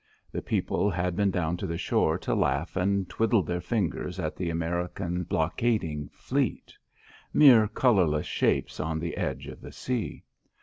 The people had been down to the shore to laugh and twiddle their fingers at the American blockading fleet mere colourless shapes on the edge of the sea.